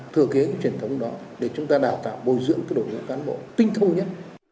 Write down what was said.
thừa kế truyền thống đó để chúng ta đào tạo bồi dưỡng đội ngũ cán bộ tinh thông nhất